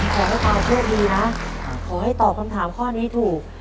ขอให้คำถามคำถามข้อนี้ถูก